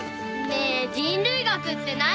ねえ人類学って何？